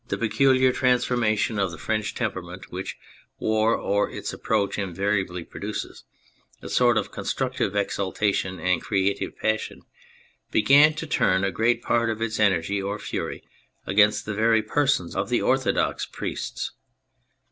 248 THE FRENCH REVOLUTION French temperament which war or its ap proach invariably produces — a sort of con structive exaltation and creative passion — began to turn a great part of its energy or fury against the very persons of the orthodox priests.